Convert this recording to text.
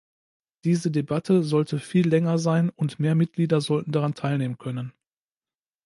Diese Debatte sollte viel länger sein, und mehr Mitglieder sollten daran teilnehmen können.